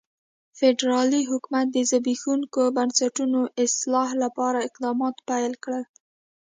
فدرالي حکومت د زبېښونکو بنسټونو اصلاح لپاره اقدامات پیل کړل.